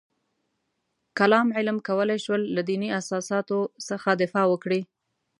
کلام علم کولای شول له دیني اساساتو څخه دفاع وکړي.